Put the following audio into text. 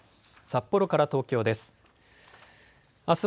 札幌から東京です。